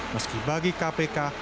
meski bagi kpk